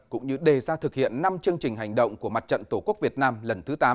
cũng như đề ra thực hiện năm chương trình hành động của mặt trận tổ quốc việt nam lần thứ tám